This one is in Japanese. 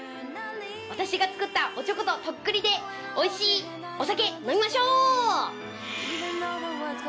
私が作ったおちょこととっくりでおいしいお酒飲みましょう！